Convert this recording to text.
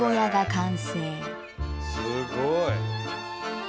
すごい！